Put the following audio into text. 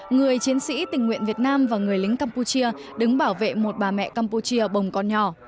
người chiến sĩ tình nguyện việt nam và người lính campuchia đứng bảo vệ một bà mẹ campuchia bồng con nhỏ